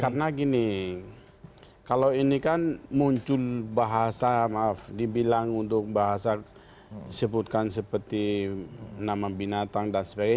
karena gini kalau ini kan muncul bahasa maaf dibilang untuk bahasa sebutkan seperti nama binatang dan sebagainya